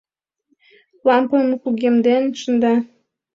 Лампым кугемден шында.